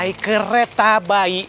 aik kereta bayi